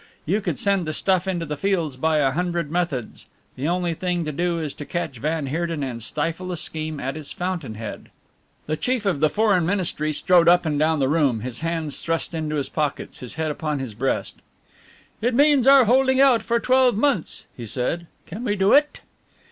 You could send the stuff into the fields by a hundred methods. The only thing to do is to catch van Heerden and stifle the scheme at its fountain head." The Chief of the Foreign Ministry strode up and down the room, his hands thrust into his pockets, his head upon his breast. "It means our holding out for twelve months," he said. "Can we do it?"